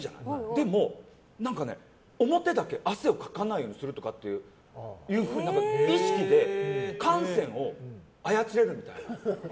でも、表だけ汗をかかないようにするとかって意識で汗腺を操れるみたい。